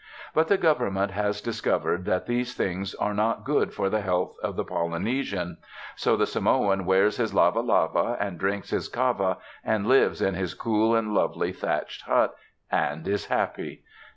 But the Government has discovered that these things are not good for the health of the Polynesian, so the Samoan wears his lava lava and drinks his kava, and lives in his cool and lovely thatched hut, and is happy.